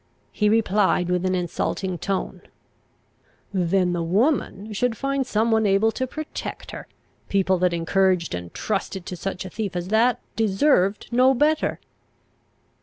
He replied with an insulting tone, "Then the woman should find some one able to protect her; people that encouraged and trusted to such a thief as that, deserved no better!"